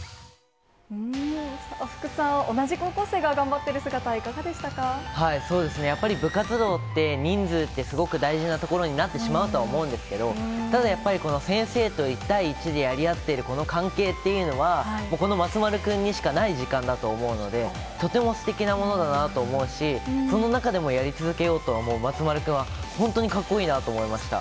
福さん、同じ高校生が頑張ってる姿、やっぱり部活動って、人数ってすごく大事なところになってしまうとは思うんですけど、ただやっぱり、先生と１対１でやり合ってるこの関係っていうのは、この松丸君にしかない時間だと思うので、とてもすてきなものだなと思うし、その中でもやり続けようと思う松丸君は、本当にかっこいいなと思いました。